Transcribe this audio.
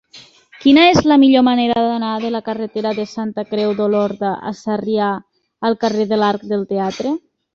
Quina és la millor manera d'anar de la carretera de Santa Creu d'Olorda a Sarrià al carrer de l'Arc del Teatre?